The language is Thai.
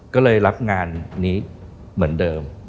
ก็เลยรับงานนี้เหมือนเดิม